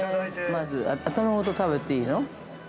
◆まず、頭ごと食べていいの？